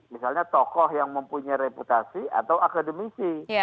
misalnya tokoh yang mempunyai reputasi atau akademisi